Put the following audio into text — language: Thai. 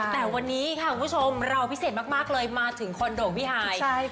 แต่วันนี้ค่ะคุณผู้ชมเราพิเศษมากเลยมาถึงคอนโดของพี่ฮาย